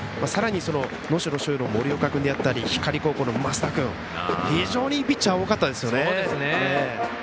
さらに、能代の選手だったり光高校の升田君、非常にいいピッチャー多かったですよね。